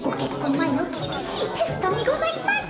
前のきびしいテストにございます。